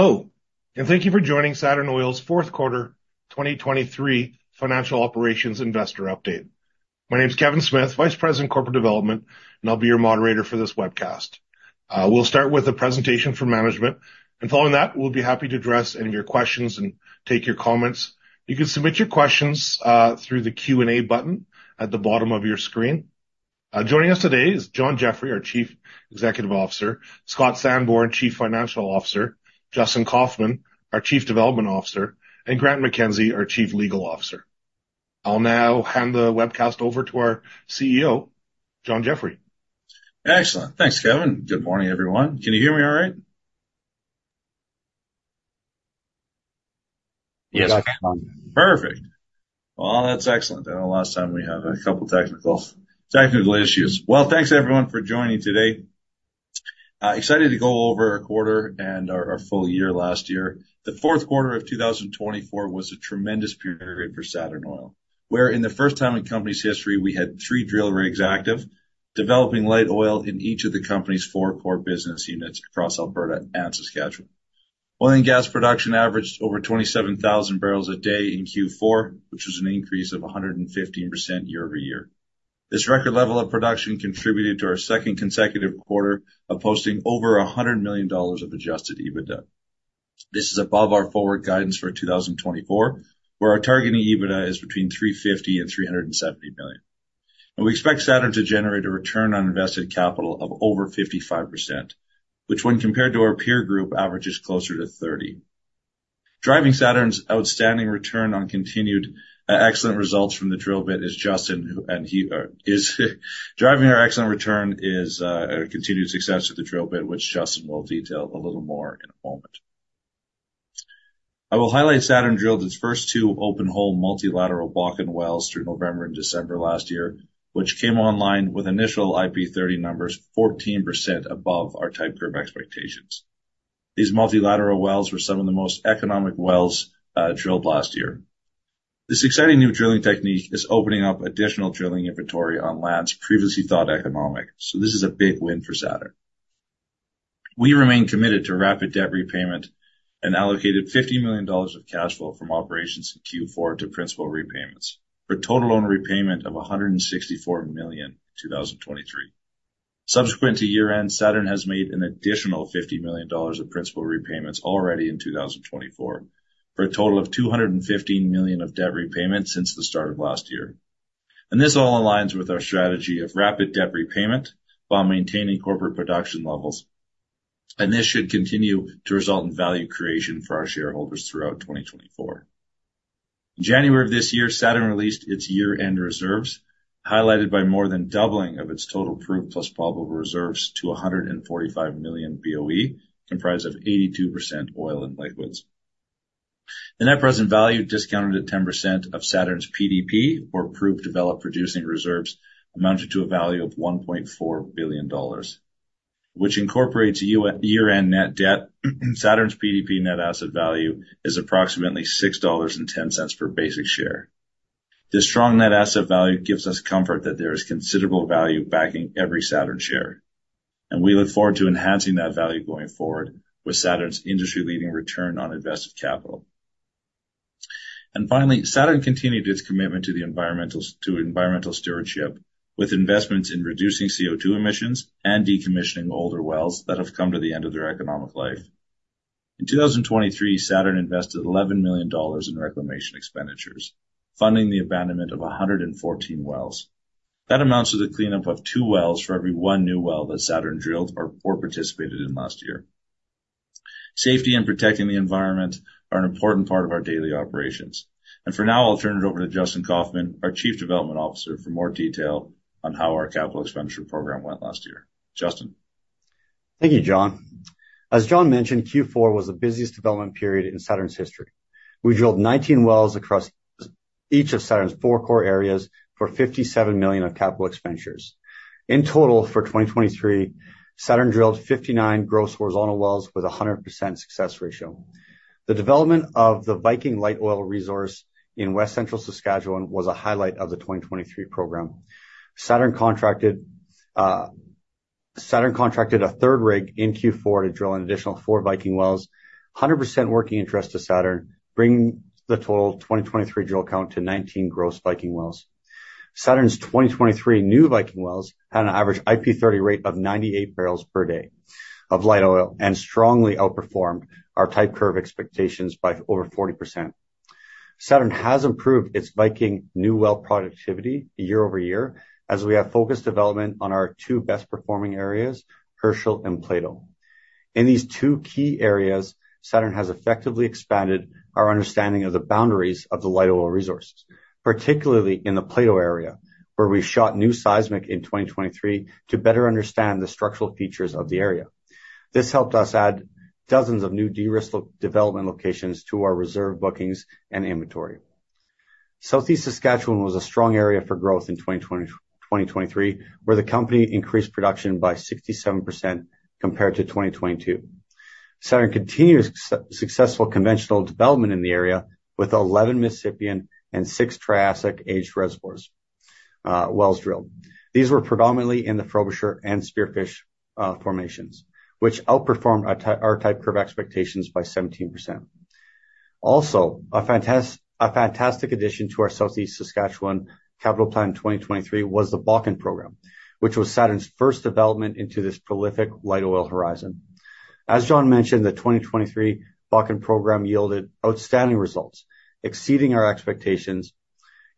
Hello, and thank you for joining Saturn Oil's 4th quarter 2023 financial operations investor update. My name's Kevin Smith, Vice President Corporate Development, and I'll be your moderator for this webcast. We'll start with a presentation from management, and following that we'll be happy to address any of your questions and take your comments. You can submit your questions through the Q&A button at the bottom of your screen. Joining us today is John Jeffrey, our Chief Executive Officer, Scott Sanborn, Chief Financial Officer, Justin Kaufmann, our Chief Development Officer, and Grant MacKenzie, our Chief Legal Officer. I'll now hand the webcast over to our CEO, John Jeffrey. Excellent. Thanks, Kevin. Good morning, everyone. Can you hear me all right? Yes, I can. Perfect. Well, that's excellent. I know last time we had a couple technical issues. Well, thanks, everyone, for joining today. Excited to go over our quarter and our full year last year. The 4th quarter of 2024 was a tremendous period for Saturn Oil, where in the first time in company's history we had three drill rigs active, developing light oil in each of the company's four core business units across Alberta and Saskatchewan. Oil and gas production averaged over 27,000 barrels a day in Q4, which was an increase of 115% year-over-year. This record level of production contributed to our second consecutive quarter of posting over 100 million dollars of Adjusted EBITDA. This is above our forward guidance for 2024, where our targeting EBITDA is between 350 million-370 million. We expect Saturn to generate a return on invested capital of over 55%, which, when compared to our peer group, averages closer to 30%. Driving Saturn's outstanding return on continued, excellent results from the drill bit is Justin, who is driving our excellent return, a continued success with the drill bit, which Justin will detail a little more in a moment. I will highlight Saturn drilled its first 2 open-hole multilateral Bakken wells through November and December last year, which came online with initial IP30 numbers 14% above our type curve expectations. These multilateral wells were some of the most economic wells, drilled last year. This exciting new drilling technique is opening up additional drilling inventory on lands previously thought economic, so this is a big win for Saturn. We remain committed to rapid debt repayment and allocated CAD 50 million of cash flow from operations in Q4 to principal repayments, for a total loan repayment of CAD 164 million in 2023. Subsequent to year-end, Saturn has made an additional CAD 50 million of principal repayments already in 2024, for a total of CAD 215 million of debt repayment since the start of last year. And this all aligns with our strategy of rapid debt repayment while maintaining corporate production levels, and this should continue to result in value creation for our shareholders throughout 2024. In January of this year, Saturn released its year-end reserves, highlighted by more than doubling of its total proved plus probable reserves to 145 million BOE, comprised of 82% oil and liquids. The net present value discounted at 10% of Saturn's PDP, or proved developed producing reserves, amounted to a value of 1.4 billion dollars, which incorporates year-end net debt. Saturn's PDP net asset value is approximately 6.10 dollars per basic share. This strong net asset value gives us comfort that there is considerable value backing every Saturn share, and we look forward to enhancing that value going forward with Saturn's industry-leading return on invested capital. Finally, Saturn continued its commitment to environmental stewardship, with investments in reducing CO2 emissions and decommissioning older wells that have come to the end of their economic life. In 2023, Saturn invested 11 million dollars in reclamation expenditures, funding the abandonment of 114 wells. That amounts to the cleanup of two wells for every one new well that Saturn drilled or participated in last year. Safety and protecting the environment are an important part of our daily operations. For now, I'll turn it over to Justin Kaufmann, our Chief Development Officer, for more detail on how our capital expenditure program went last year. Justin. Thank you, John. As John mentioned, Q4 was the busiest development period in Saturn's history. We drilled 19 wells across each of Saturn's four core areas for 57 million of capital expenditures. In total for 2023, Saturn drilled 59 gross horizontal wells with a 100% success ratio. The development of the Viking light oil resource in West Central Saskatchewan was a highlight of the 2023 program. Saturn contracted a third rig in Q4 to drill an additional 4 Viking wells, 100% working interest to Saturn, bringing the total 2023 drill count to 19 gross Viking wells. Saturn's 2023 new Viking wells had an average IP30 rate of 98 barrels per day of light oil and strongly outperformed our type curve expectations by over 40%. Saturn has improved its Viking new well productivity year-over-year, as we have focused development on our 2 best-performing areas, Herschel and Plato. In these two key areas, Saturn has effectively expanded our understanding of the boundaries of the light oil resources, particularly in the Plato area, where we shot new seismic in 2023 to better understand the structural features of the area. This helped us add dozens of new de-risk development locations to our reserve bookings and inventory. Southeast Saskatchewan was a strong area for growth in 2023, where the company increased production by 67% compared to 2022. Saturn continues successful conventional development in the area with 11 Mississippian and 6 Triassic aged reservoirs, wells drilled. These were predominantly in the Frobisher and Spearfish formations, which outperformed our type curve expectations by 17%. Also, a fantastic addition to our Southeast Saskatchewan capital plan 2023 was the Bakken program, which was Saturn's first development into this prolific light oil horizon. As John mentioned, the 2023 Bakken program yielded outstanding results, exceeding our expectations.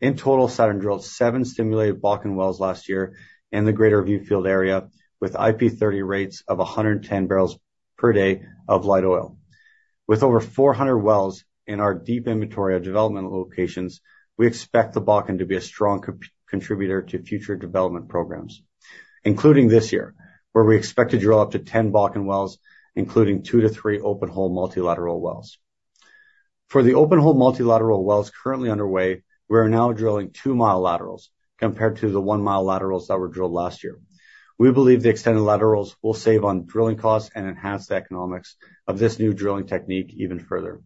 In total, Saturn drilled seven stimulated Bakken wells last year in the Greater Viewfield area, with IP30 rates of 110 barrels per day of light oil. With over 400 wells in our deep inventory of development locations, we expect the Bakken to be a strong contributor to future development programs, including this year, where we expect to drill up to 10 Bakken wells, including two to three open-hole multilateral wells. For the open-hole multilateral wells currently underway, we are now drilling two-mile laterals, compared to the one-mile laterals that were drilled last year. We believe the extended laterals will save on drilling costs and enhance the economics of this new drilling technique even further.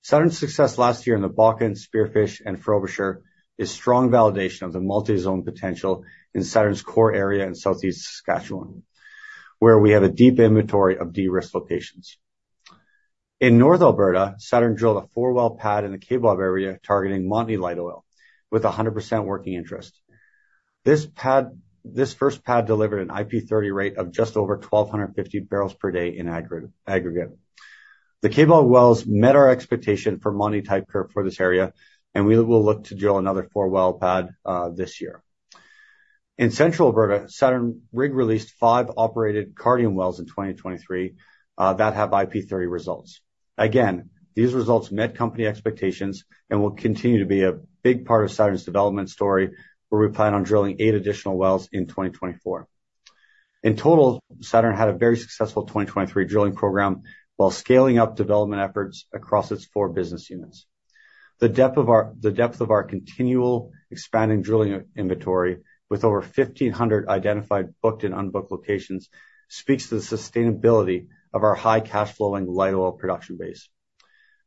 Saturn's success last year in the Bakken, Spearfish, and Frobisher is strong validation of the multi-zone potential in Saturn's core area in Southeast Saskatchewan, where we have a deep inventory of de-risk locations. In North Alberta, Saturn drilled a four-well pad in the Kaybob area, targeting Montney light oil, with 100% working interest. This first pad delivered an IP30 rate of just over 1,250 barrels per day in aggregate. The Kaybob wells met our expectation for Montney type curve for this area, and we will look to drill another four-well pad this year. In Central Alberta, Saturn rig released five operated Cardium wells in 2023 that have IP30 results. Again, these results met company expectations and will continue to be a big part of Saturn's development story, where we plan on drilling eight additional wells in 2024. In total, Saturn had a very successful 2023 drilling program while scaling up development efforts across its four business units. The depth of our continual expanding drilling inventory, with over 1,500 identified booked and unbooked locations, speaks to the sustainability of our high-cash-flowing light oil production base.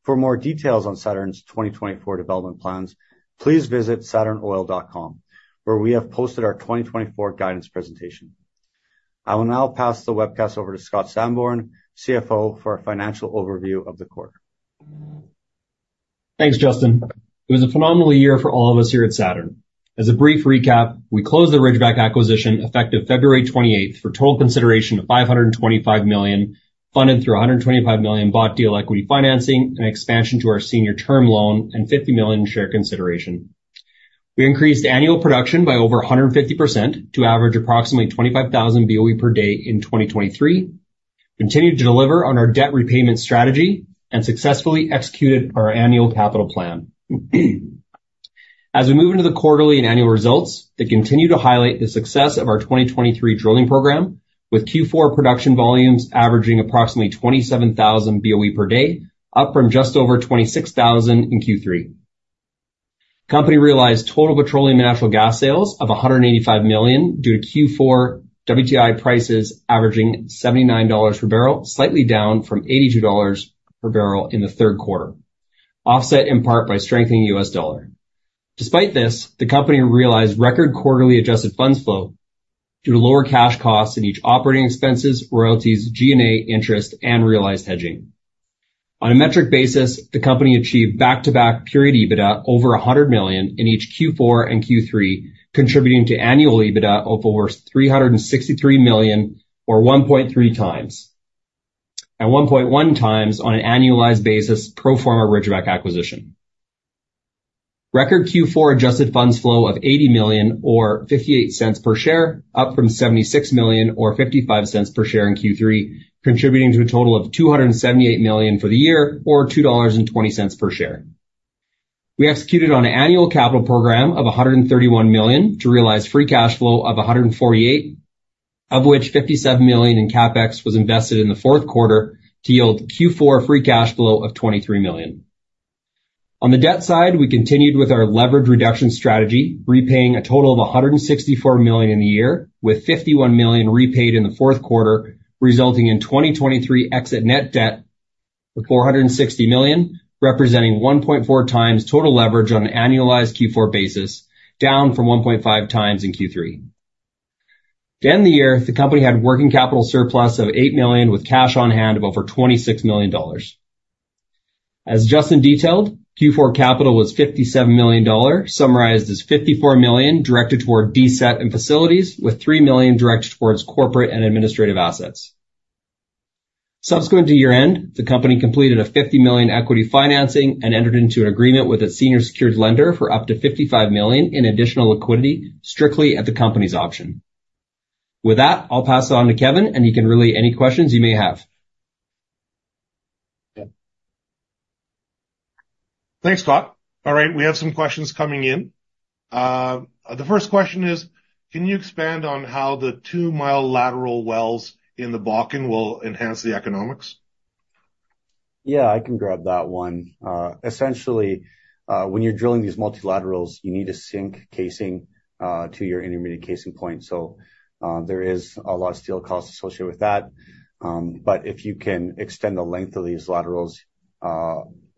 For more details on Saturn's 2024 development plans, please visit saturnoil.com, where we have posted our 2024 guidance presentation. I will now pass the webcast over to Scott Sanborn, CFO, for a financial overview of the quarter. Thanks, Justin. It was a phenomenal year for all of us here at Saturn. As a brief recap, we closed the Ridgeback acquisition effective February 28th for total consideration of 525 million, funded through 125 million bought deal equity financing and expansion to our senior term loan and 50 million in share consideration. We increased annual production by over 150% to average approximately 25,000 BOE per day in 2023, continued to deliver on our debt repayment strategy, and successfully executed our annual capital plan. As we move into the quarterly and annual results, they continue to highlight the success of our 2023 drilling program, with Q4 production volumes averaging approximately 27,000 BOE per day, up from just over 26,000 in Q3. The company realized total petroleum and natural gas sales of 185 million due to Q4 WTI prices averaging $79 per barrel, slightly down from $82 per barrel in the third quarter, offset in part by strengthening the U.S. dollar. Despite this, the company realized record quarterly adjusted funds flow due to lower cash costs in each operating expenses, royalties, G&A interest, and realized hedging. On a metric basis, the company achieved back-to-back period EBITDA over 100 million in each Q4 and Q3, contributing to annual EBITDA of over 363 million, or 1.3 times, and 1.1 times on an annualized basis pro forma Ridgeback acquisition. Record Q4 adjusted funds flow of 80 million, or 0.58 per share, up from 0.76 million, or 0.55 per share in Q3, contributing to a total of 278 million for the year, or 2.20 dollars per share. We executed on an annual capital program of 131 million to realize free cash flow of 148 million, of which 57 million in CapEx was invested in the fourth quarter to yield Q4 free cash flow of 23 million. On the debt side, we continued with our leverage reduction strategy, repaying a total of 164 million in the year, with 51 million repaid in the fourth quarter, resulting in 2023 exit net debt of 460 million, representing 1.4 times total leverage on an annualized Q4 basis, down from 1.5 times in Q3. To end the year, the company had working capital surplus of 8 million, with cash on hand of over 26 million dollars. As Justin detailed, Q4 capital was 57 million dollar, summarized as 54 million directed toward DCET and facilities, with 3 million directed towards corporate and administrative assets. Subsequent to year-end, the company completed a 50 million equity financing and entered into an agreement with its senior secured lender for up to 55 million in additional liquidity, strictly at the company's option. With that, I'll pass it on to Kevin, and he can relay any questions you may have. Thanks, Scott. All right, we have some questions coming in. The first question is: Can you expand on how the two-mile lateral wells in the Bakken will enhance the economics? Yeah, I can grab that one. Essentially, when you're drilling these multilaterals, you need a sink casing to your intermediate casing point. So, there is a lot of steel costs associated with that. But if you can extend the length of these laterals,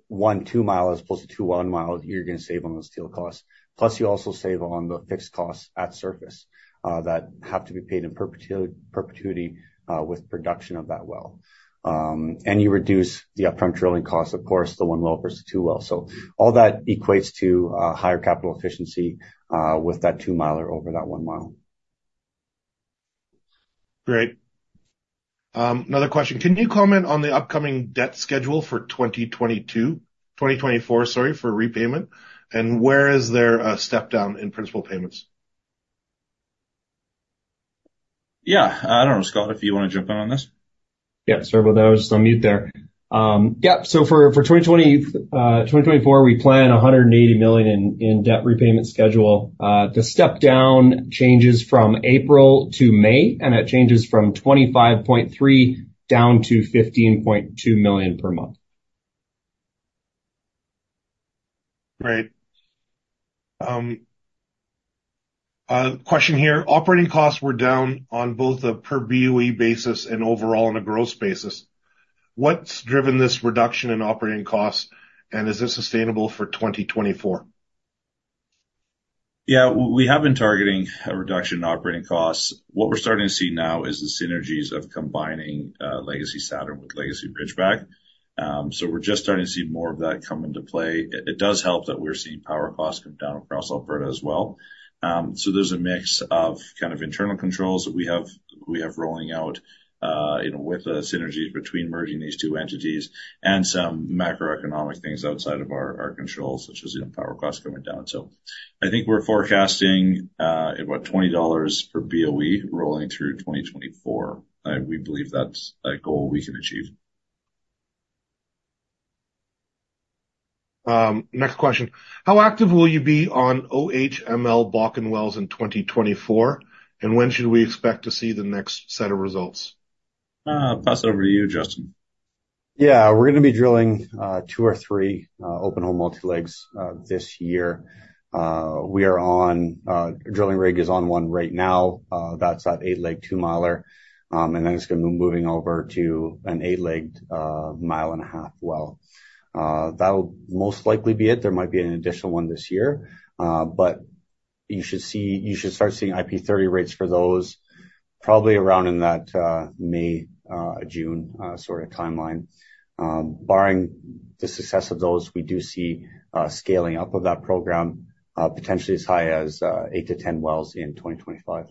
1 2-mile as opposed to 2 1-mile, you're going to save on those steel costs. Plus, you also save on the fixed costs at surface that have to be paid in perpetuity with production of that well. And you reduce the upfront drilling cost, of course, the 1 well versus the two wells. So all that equates to higher capital efficiency with that 2-mile or over that 1-mile. Great. Another question: Can you comment on the upcoming debt schedule for 2022-2024, sorry, for repayment, and where is there, step-down in principal payments? Yeah. I don't know, Scott, if you want to jump in on this. Yeah, sir, but I was just on mute there. Yeah, so for 2024, we plan $180 million in debt repayment schedule. The step-down changes from April to May, and it changes from $25.3 million down to $15.2 million per month. Great question here: operating costs were down on both a per BOE basis and overall on a gross basis. What's driven this reduction in operating costs, and is it sustainable for 2024? Yeah, we haven't targeting a reduction in operating costs. What we're starting to see now is the synergies of combining Legacy Saturn with Legacy Ridgeback, so we're just starting to see more of that come into play. It does help that we're seeing power costs come down across Alberta as well, so there's a mix of kind of internal controls that we have rolling out, you know, with the synergies between merging these two entities and some macroeconomic things outside of our controls, such as, you know, power costs coming down. So I think we're forecasting at what, 20 dollars per BOE rolling through 2024. We believe that's a goal we can achieve. Next question: How active will you be on OHML Bakken wells in 2024, and when should we expect to see the next set of results? pass it over to you, Justin. Yeah, we're going to be drilling two or three open-hole multi-legs this year. We are on; drilling rig is on one right now. That's that eight-leg two-miler. And then it's going to be moving over to an 8-legged, 1.5-mile well. That'll most likely be it. There might be an additional one this year. But you should start seeing IP30 rates for those probably around in that May-June sort of timeline. Barring the success of those, we do see scaling up of that program, potentially as high as 8-10 wells in 2025.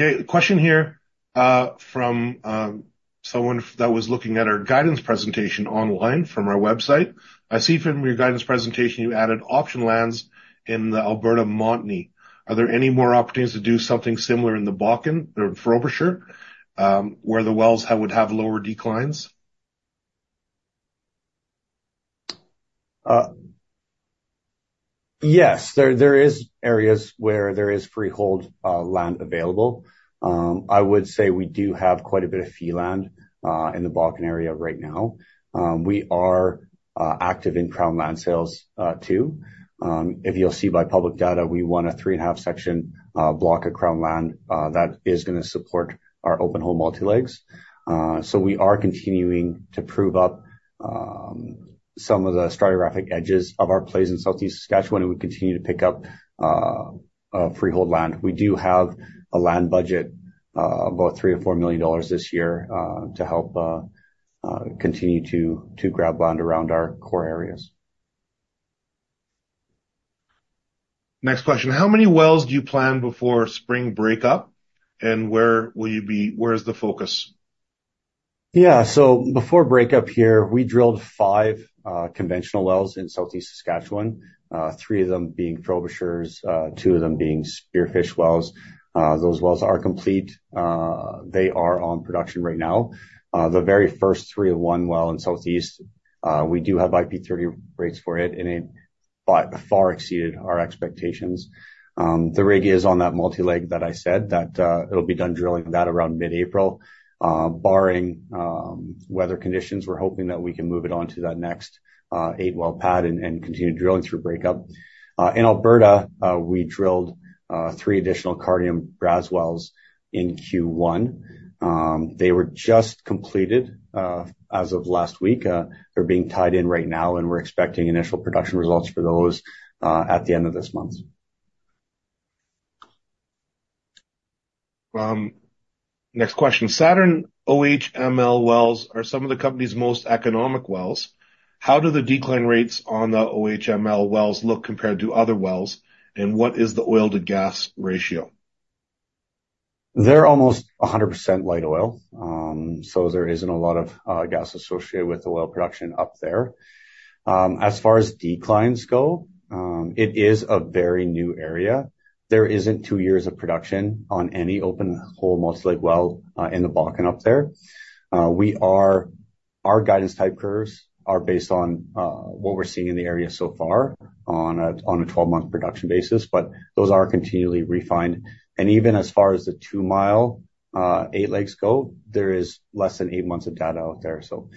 Okay, question here from someone that was looking at our guidance presentation online from our website. I see from your guidance presentation you added option lands in the Alberta Montney. Are there any more opportunities to do something similar in the Bakken or Frobisher, where the wells would have lower declines? Yes, there is areas where there is freehold land available. I would say we do have quite a bit of fee land in the Bakken area right now. We are active in Crown Land Sales, too. If you'll see by public data, we won a 3.5-section block of Crown Land that is going to support our open-hole multi-legs. So we are continuing to prove up some of the stratigraphic edges of our plays in Southeast Saskatchewan, and we continue to pick up freehold land. We do have a land budget about 3 million-4 million dollars this year to help continue to grab land around our core areas. Next question: how many wells do you plan before spring breakup, and where will you be? Where is the focus? Yeah, so before breakup here, we drilled five conventional wells in Southeast Saskatchewan, three of them being Frobisher, two of them being Spearfish wells. Those wells are complete. They are on production right now. The very first one, well in Southeast, we do have IP30 rates for it, and it far exceeded our expectations. The rig is on that multi-leg that I said, that, it'll be done drilling that around mid-April. Barring weather conditions, we're hoping that we can move it on to that next eight-well pad and continue drilling through breakup. In Alberta, we drilled three additional Cardium Brazeau wells in Q1. They were just completed, as of last week. They're being tied in right now, and we're expecting initial production results for those at the end of this month. Next question: Saturn OHML wells are some of the company's most economic wells. How do the decline rates on the OHML wells look compared to other wells, and what is the oil-to-gas ratio? They're almost 100% light oil. So there isn't a lot of gas associated with the oil production up there. As far as declines go, it is a very new area. There isn't two years of production on any open-hole multi-leg well in the Bakken up there. Our guidance type curves are based on what we're seeing in the area so far on a 12-month production basis, but those are continually refined. And even as far as the two-mile, eight-legs go, there is less than eight months of data out there. So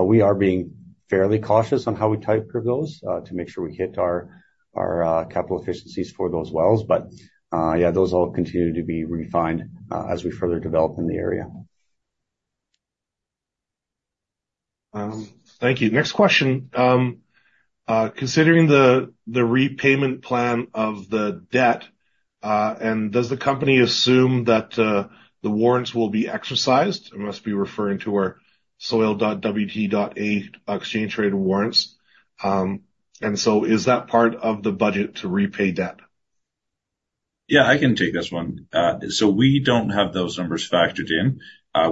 we are being fairly cautious on how we type curve those, to make sure we hit our capital efficiencies for those wells. But yeah, those all continue to be refined, as we further develop in the area. Thank you. Next question. Considering the repayment plan of the debt, and does the company assume that the warrants will be exercised? I must be referring to our SOIL.WT.A exchange-traded warrants. And so is that part of the budget to repay debt? Yeah, I can take this one. So we don't have those numbers factored in.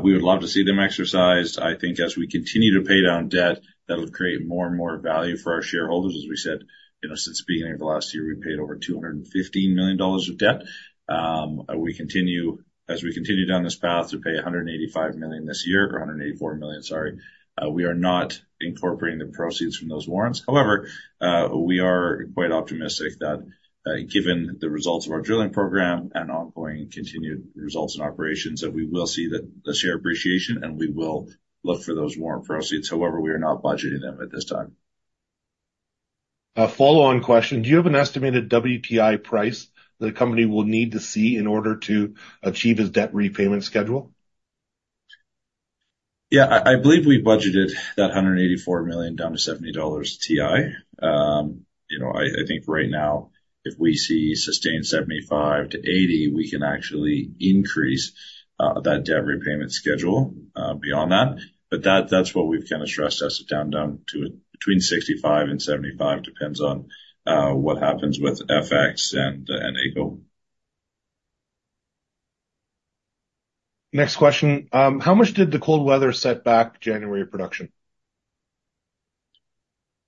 We would love to see them exercised. I think as we continue to pay down debt, that'll create more and more value for our shareholders. As we said, you know, since the beginning of the last year, we paid over 215 million dollars of debt. We continue down this path to pay 185 million this year or 184 million, sorry. We are not incorporating the proceeds from those warrants. However, we are quite optimistic that, given the results of our drilling program and ongoing continued results in operations, that we will see the share appreciation, and we will look for those warrant proceeds. However, we are not budgeting them at this time. A follow-on question: Do you have an estimated WTI price that the company will need to see in order to achieve its debt repayment schedule? Yeah, I believe we've budgeted that $184 million down to $70 WTI. You know, I think right now, if we see sustained $75-$80, we can actually increase that debt repayment schedule beyond that. But that's what we've kind of stressed as a downside to between $65 and $75, depends on what happens with FX and AECO. Next question: How much did the cold weather set back January production?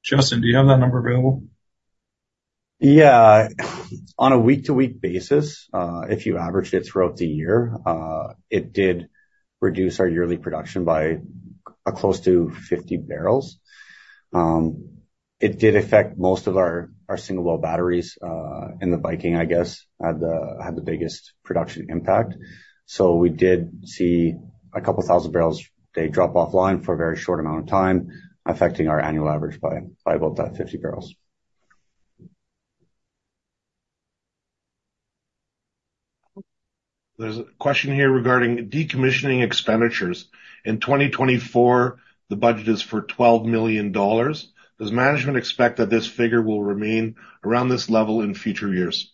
Justin, do you have that number available? Yeah, on a week-to-week basis, if you average it throughout the year, it did reduce our yearly production by close to 50 barrels. It did affect most of our single-well batteries, in the Viking, I guess, had the biggest production impact. So we did see a couple thousand barrels drop offline for a very short amount of time, affecting our annual average by about that 50 barrels. There's a question here regarding decommissioning expenditures. In 2024, the budget is for 12 million dollars. Does management expect that this figure will remain around this level in future years?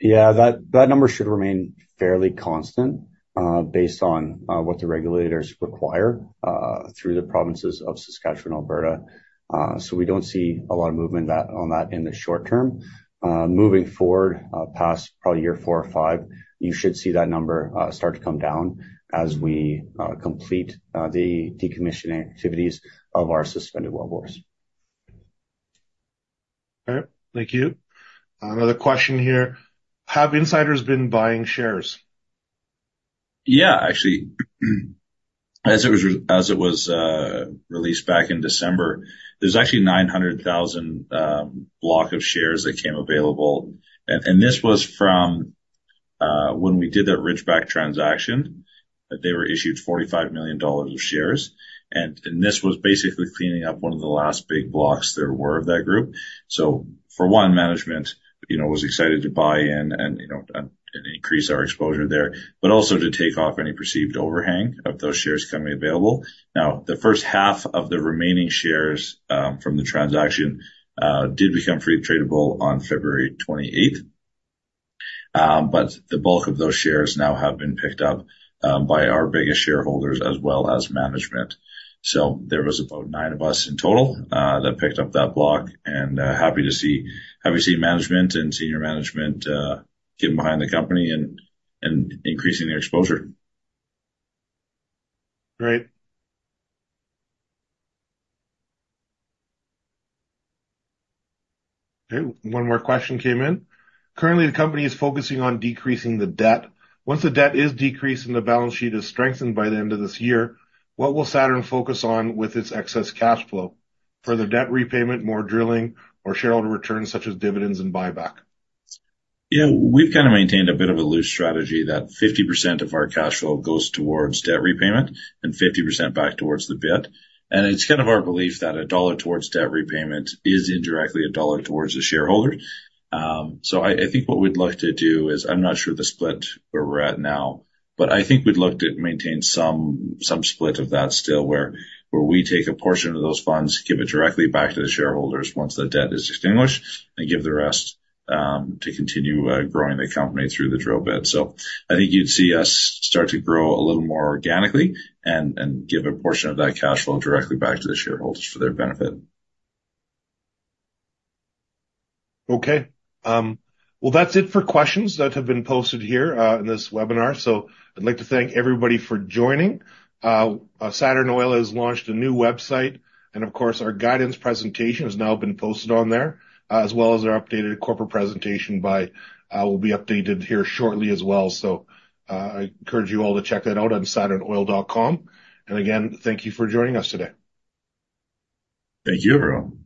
Yeah, that number should remain fairly constant, based on what the regulators require, through the provinces of Saskatchewan and Alberta. So we don't see a lot of movement on that in the short term. Moving forward, past probably year four or five, you should see that number start to come down as we complete the decommissioning activities of our suspended well bores. All right, thank you. Another question here: have insiders been buying shares? Yeah, actually. As it was released back in December, there's actually 900,000-block of shares that came available. And this was from when we did that Ridgeback transaction. They were issued $45 million of shares. And this was basically cleaning up one of the last big blocks there were of that group. So for one, management, you know, was excited to buy in and, you know, and increase our exposure there, but also to take off any perceived overhang of those shares coming available. Now, the first half of the remaining shares, from the transaction, did become free tradable on February 28th, but the bulk of those shares now have been picked up by our biggest shareholders as well as management. So there was about nine of us in total that picked up that block. Happy to see management and senior management getting behind the company and increasing their exposure. Great. Okay, one more question came in. Currently, the company is focusing on decreasing the debt. Once the debt is decreased and the balance sheet is strengthened by the end of this year, what will Saturn focus on with its excess cash flow? Further debt repayment, more drilling, or shareholder returns such as dividends and buyback? Yeah, we've kind of maintained a bit of a loose strategy that 50% of our cash flow goes towards debt repayment and 50% back towards the bid. And it's kind of our belief that a dollar towards debt repayment is indirectly a dollar towards the shareholders. So I think what we'd like to do is I'm not sure the split where we're at now, but I think we'd like to maintain some split of that still where we take a portion of those funds, give it directly back to the shareholders once the debt is extinguished, and give the rest to continue growing the company through the drill bit. So I think you'd see us start to grow a little more organically and give a portion of that cash flow directly back to the shareholders for their benefit. Okay. Well, that's it for questions that have been posted here, in this webinar. So I'd like to thank everybody for joining. Saturn Oil has launched a new website, and of course, our guidance presentation has now been posted on there, as well as our updated corporate presentation by will be updated here shortly as well. So, I encourage you all to check that out on saturnoil.com. And again, thank you for joining us today. Thank you, everyone.